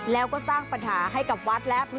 แล้วก็สร้างปัญหาให้กับวัดแล้ว